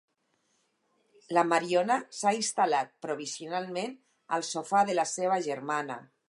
La Mariona s'ha instal·lat provisionalment al sofà de la seva germana.